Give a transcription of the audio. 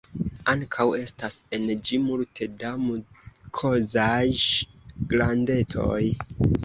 Ankaŭ estas en ĝi multe da mukozaĵ-glandetoj.